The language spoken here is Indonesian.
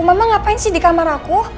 mama ngapain sih di kamar aku